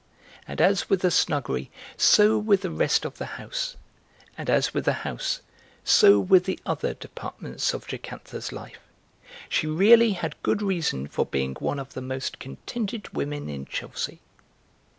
And as with the snuggery, so with the rest of the house, and as with the house, so with the other departments of Jocantha's life; she really had good reason for being one of the most contented women in Chelsea.